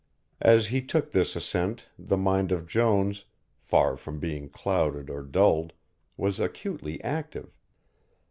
As he took this ascent the mind of Jones, far from being clouded or dulled, was acutely active.